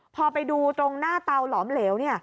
พอไปดูตรงหน้าเตาหลอมเหลว